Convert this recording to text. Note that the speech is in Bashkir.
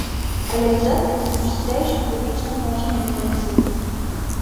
«, организаций, осуществляющих публично значимые функции,»;